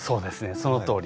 そのとおり。